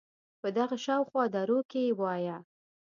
په دغه شااو خوا دروکې وایه